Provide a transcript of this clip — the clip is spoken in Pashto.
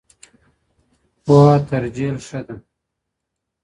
پوهه تر جهل ښه ده.